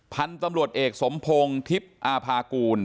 พันธุ์ตำรวจเอกสมพงศ์ทิพย์อาภากูล